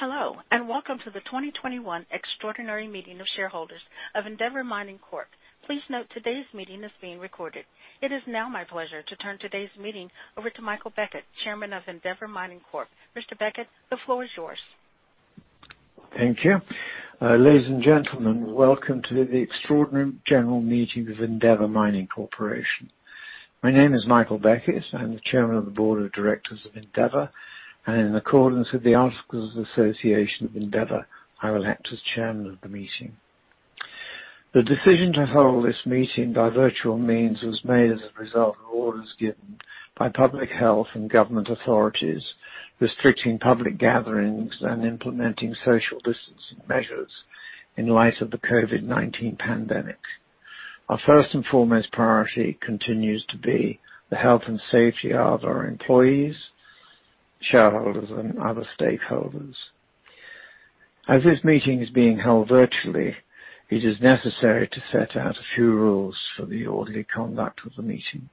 Hello, welcome to the 2021 Extraordinary Meeting of Shareholders of Endeavour Mining Corporation. Please note today's meeting is being recorded. It is now my pleasure to turn today's meeting over to Michael Beckett, Chairman of Endeavour Mining Corporation. Mr. Beckett, the floor is yours. Thank you. Ladies and gentlemen, welcome to the Extraordinary General Meeting of Endeavour Mining Corporation. My name is Michael Beckett. I'm the Chairman of the Board of Directors of Endeavour, in accordance with the articles of association of Endeavour, I will act as chairman of the meeting. The decision to hold this meeting by virtual means was made as a result of orders given by public health and government authorities restricting public gatherings and implementing social distancing measures in light of the COVID-19 pandemic. Our first and foremost priority continues to be the health and safety of our employees, shareholders, and other stakeholders. As this meeting is being held virtually, it is necessary to set out a few rules for the orderly conduct of the meeting.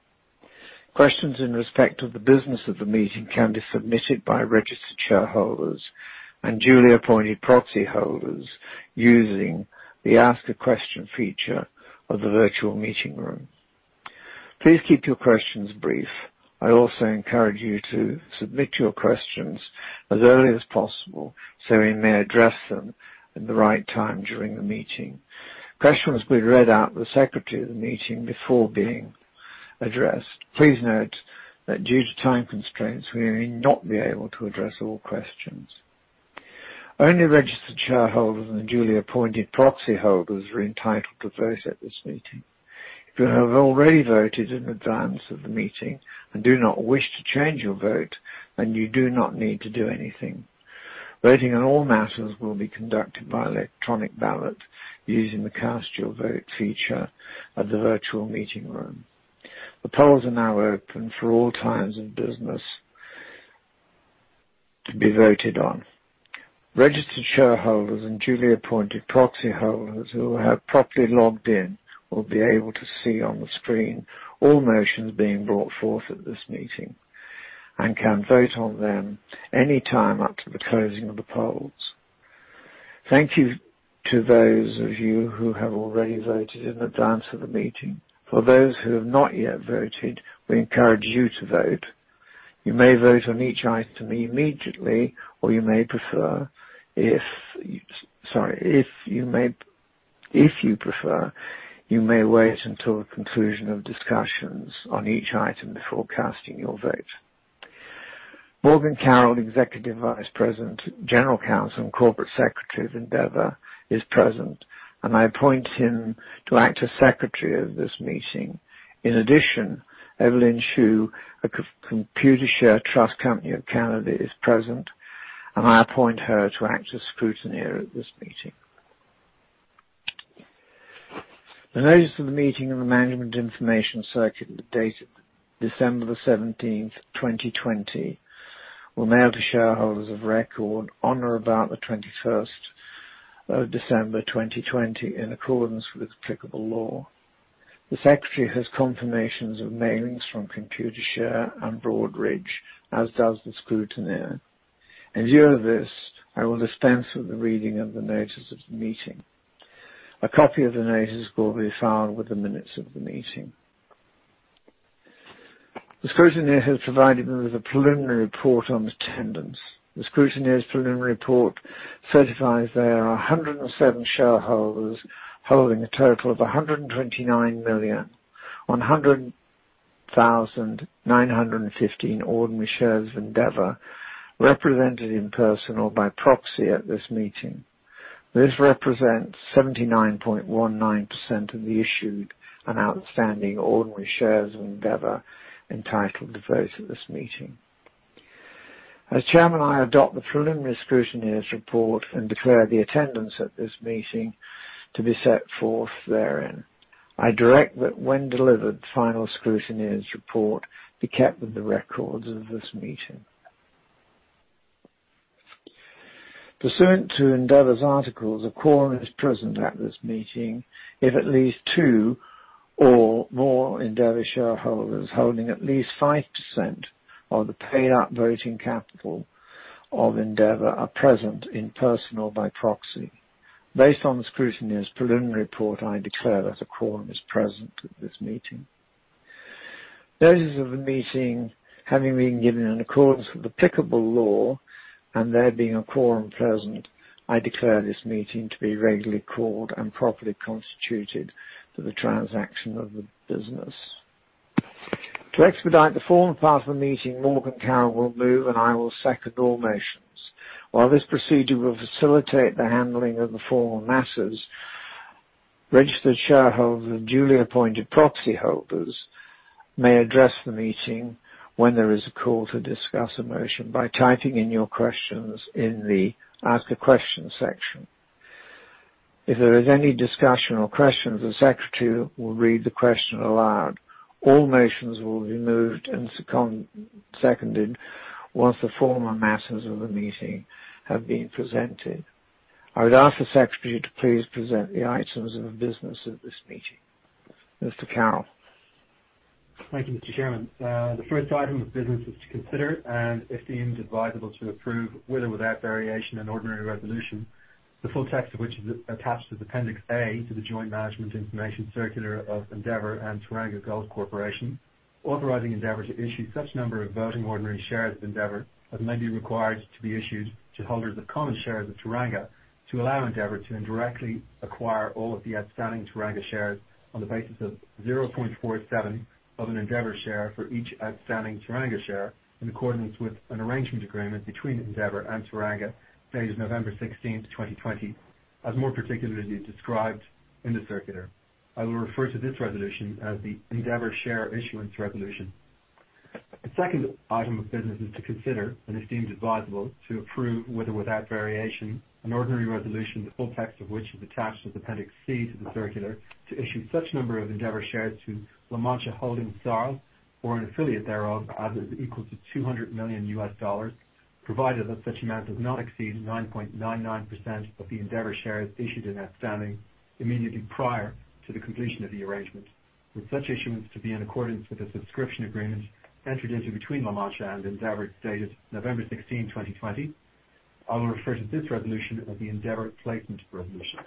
Questions in respect of the business of the meeting can be submitted by registered shareholders and duly appointed proxyholders using the Ask a Question feature of the virtual meeting room. Please keep your questions brief. I also encourage you to submit your questions as early as possible so we may address them at the right time during the meeting. Questions will be read out by the secretary of the meeting before being addressed. Please note that due to time constraints, we may not be able to address all questions. Only registered shareholders and duly appointed proxyholders are entitled to vote at this meeting. If you have already voted in advance of the meeting and do not wish to change your vote, then you do not need to do anything. Voting on all matters will be conducted by electronic ballot using the Cast Your Vote feature of the virtual meeting room. The polls are now open for all items of business to be voted on. Registered shareholders and duly appointed proxyholders who have properly logged in will be able to see on the screen all motions being brought forth at this meeting and can vote on them anytime up to the closing of the polls. Thank you to those of you who have already voted in advance of the meeting. For those who have not yet voted, we encourage you to vote. If you prefer, you may wait until the conclusion of discussions on each item before casting your vote. Morgan Carroll, Executive Vice President, General Counsel, and Corporate Secretary of Endeavour, is present, and I appoint him to act as Secretary of this meeting. In addition, Evelyn Hsu, of Computershare Trust Company of Canada, is present, and I appoint her to act as Scrutineer at this meeting. The notice of the meeting and the management information circular dated December 17th, 2020, were mailed to shareholders of record on or about the 21st of December 2020, in accordance with applicable law. The Secretary has confirmations of mailings from Computershare and Broadridge, as does the Scrutineer. In view of this, I will dispense with the reading of the notice of the meeting. A copy of the notice will be filed with the minutes of the meeting. The Scrutineer has provided me with a preliminary report on the attendance. The Scrutineer's preliminary report certifies there are 107 shareholders holding a total of 129,100,915 ordinary shares of Endeavour represented in person or by proxy at this meeting. This represents 79.19% of the issued and outstanding ordinary shares of Endeavour entitled to vote at this meeting. As Chairman, I adopt the preliminary Scrutineer's report and declare the attendance at this meeting to be set forth therein. I direct that when delivered, the final Scrutineer's report be kept with the records of this meeting. Pursuant to Endeavour's articles, a quorum is present at this meeting if at least two or more Endeavour shareholders holding at least 5% of the paid-up voting capital of Endeavour are present in person or by proxy. Based on the Scrutineer's preliminary report, I declare that a quorum is present at this meeting. Notice of the meeting having been given in accordance with applicable law, and there being a quorum present, I declare this meeting to be regularly called and properly constituted for the transaction of the business. To expedite the formal part of the meeting, Morgan Carroll will move, and I will second all motions. While this procedure will facilitate the handling of the formal matters, registered shareholders and duly appointed proxyholders may address the meeting when there is a call to discuss a motion by typing in your questions in the Ask a Question section. If there is any discussion or questions, the Secretary will read the question aloud. All motions will be moved and seconded once the formal matters of the meeting have been presented. I would ask the Secretary to please present the items of business at this meeting. Mr. Carroll? Thank you, Mr. Chairman. The first item of business is to consider, and if deemed advisable to approve, with or without variation in ordinary resolution, the full text of which is attached as Appendix A to the joint management information circular of Endeavour and Teranga Gold Corporation, authorizing Endeavour to issue such number of voting ordinary shares of Endeavour that may be required to be issued to holders of common shares of Teranga to allow Endeavour to indirectly acquire all of the outstanding Teranga shares on the basis of 0.47 of an Endeavour share for each outstanding Teranga share, in accordance with an arrangement agreement between Endeavour and Teranga dated November 16, 2020, as more particularly described in the circular. I will refer to this resolution as the Endeavour Share Issuance Resolution. The second item of business is to consider, and if deemed advisable, to approve, with or without variation, an ordinary resolution, the full text of which is attached as Appendix C to the circular, to issue such number of Endeavour shares to La Mancha Holding S.a.r.l. or an affiliate thereof, as is equal to $200 million, provided that such amount does not exceed 9.99% of the Endeavour shares issued and outstanding immediately prior to the completion of the arrangement, with such issuance to be in accordance with the subscription agreement entered into between La Mancha and Endeavour, dated November sixteenth, 2020. I will refer to this resolution as the Endeavour Placement Resolution.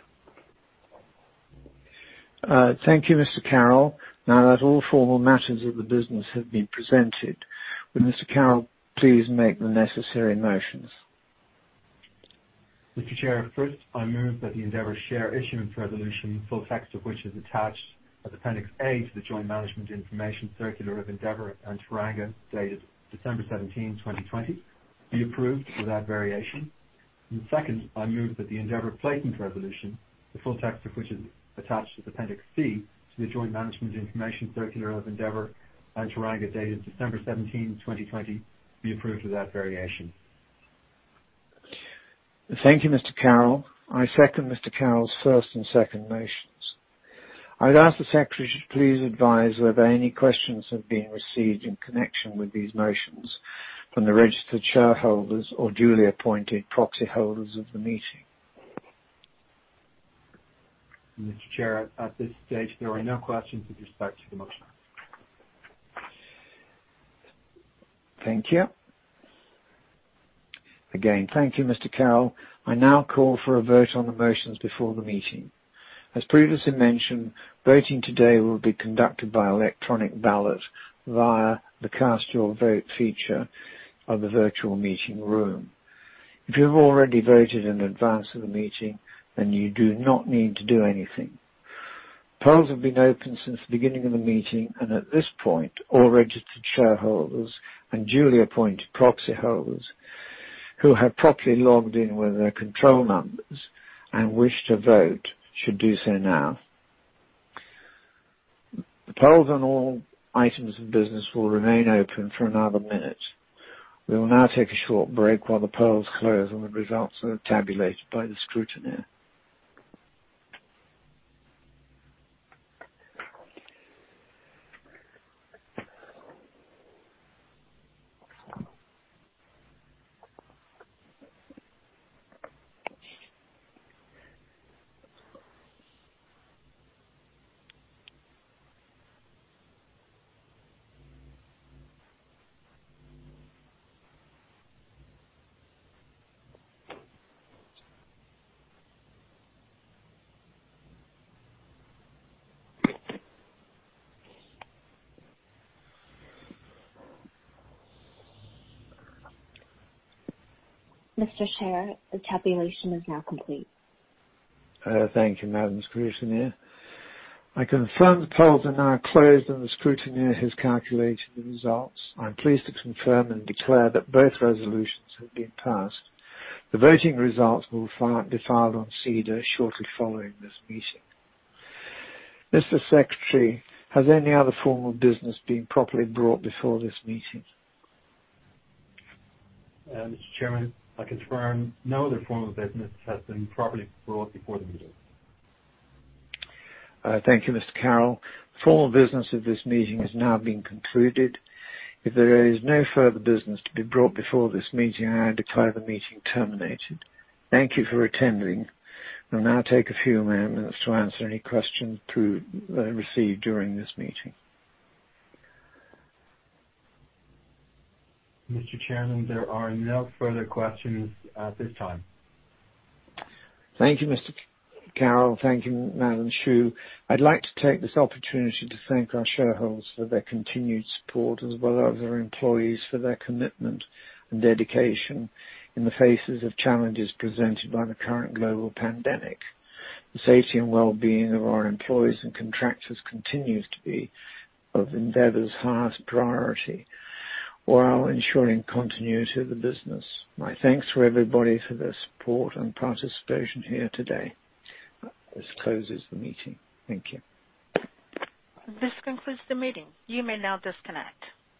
Thank you, Mr. Carroll. Now that all formal matters of the business have been presented, will Mr. Carroll please make the necessary motions? Mr. Chair, first, I move that the Endeavour Share Issuance Resolution, full text of which is attached as Appendix A to the joint management information circular of Endeavour and Teranga, dated December 17, 2020, be approved without variation. Second, I move that the Endeavour Placement Resolution, the full text of which is attached as Appendix C to the joint management information circular of Endeavour and Teranga, dated December 17, 2020, be approved without variation. Thank you, Mr. Carroll. I second Mr. Carroll's first and second motions. I would ask the secretary to please advise whether any questions have been received in connection with these motions from the registered shareholders or duly appointed proxyholders of the meeting. Mr. Chair, at this stage, there are no questions with respect to the motion. Thank you. Again, thank you, Mr. Carroll. I now call for a vote on the motions before the meeting. As previously mentioned, voting today will be conducted by electronic ballot via the Cast Your Vote feature of the virtual meeting room. If you have already voted in advance of the meeting, then you do not need to do anything. Polls have been open since the beginning of the meeting, and at this point, all registered shareholders and duly appointed proxyholders who have properly logged in with their control numbers and wish to vote should do so now. The polls on all items of business will remain open for another minute. We will now take a short break while the polls close and the results are tabulated by the scrutineer. Mr. Chair, the tabulation is now complete. Thank you, Madam Scrutineer. I confirm the polls are now closed, and the scrutineer has calculated the results. I'm pleased to confirm and declare that both resolutions have been passed. The voting results will be filed on SEDAR shortly following this meeting. Mr. Secretary, has any other formal business been properly brought before this meeting? Mr. Chairman, I confirm no other formal business has been properly brought before the meeting. Thank you, Mr. Carroll. The formal business of this meeting has now been concluded. If there is no further business to be brought before this meeting, I now declare the meeting terminated. Thank you for attending. We'll now take a few moments to answer any questions received during this meeting. Mr. Chairman, there are no further questions at this time. Thank you, Mr. Carroll. Thank you, Madam Hsu. I'd like to take this opportunity to thank our shareholders for their continued support, as well as our employees for their commitment and dedication in the faces of challenges presented by the current global pandemic. The safety and wellbeing of our employees and contractors continues to be of Endeavour's highest priority, while ensuring continuity of the business. My thanks to everybody for their support and participation here today. This closes the meeting. Thank you. This concludes the meeting. You may now disconnect.